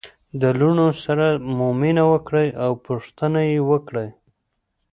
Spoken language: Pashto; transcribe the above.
د لوڼو سره مو مینه وکړئ او پوښتنه يې وکړئ